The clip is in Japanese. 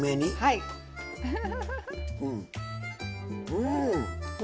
うん！